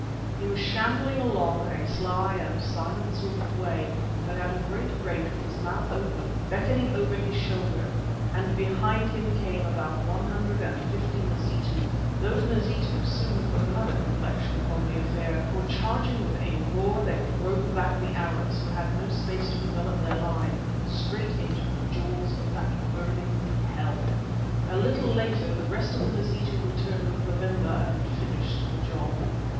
He was shambling along in a sly and silent sort of way, but at a great rate with his mouth open, beckoning over his shoulder, and behind him came about one hundred and fifty Mazitu. Those Mazitu soon put another complexion upon the affair, for charging with a roar, they drove back the Arabs, who had no space to develop their line, straight into the jaws of that burning hell. A little later the rest of the Mazitu returned with Babemba and finished the job.